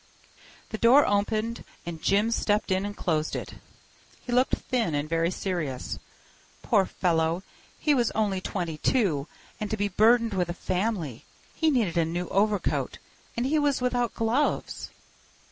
The door opened and Jim stepped in and closed it. He looked thin and very serious. Poor fellow, he was only twenty two—and to be burdened with a family! He needed a new overcoat and he was without gloves.